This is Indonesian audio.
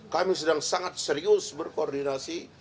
kami sedang sangat serius berkoordinasi